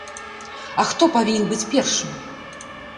А хто павінен быць першым?